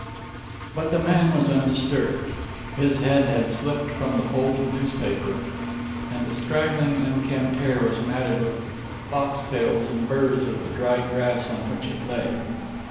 But the man was undisturbed. His head had slipped from the folded newspaper, and the straggling, unkempt hair was matted with the foxtails and burrs of the dry grass on which it lay.